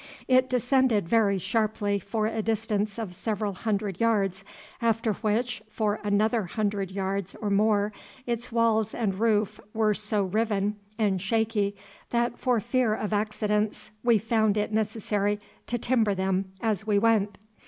It descended very sharply for a distance of several hundred yards, after which for another hundred yards or more its walls and roof were so riven and shaky that, for fear of accidents, we found it necessary to timber them as we went.